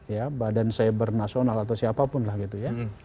ya badan cyber nasional atau siapapun lah gitu ya